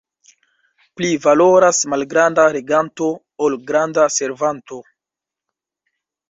Pli valoras malgranda reganto, ol granda servanto.